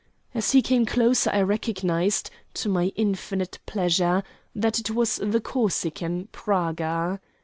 As he came closer I recognized, to my infinite pleasure, that it was the Corsican, Praga.